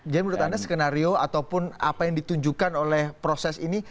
menurut anda skenario ataupun apa yang ditunjukkan oleh proses ini